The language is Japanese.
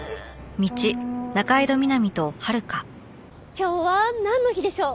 今日はなんの日でしょう？